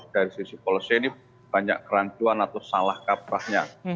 dari sisi polisi ini banyak keranjuan atau salah kaprahnya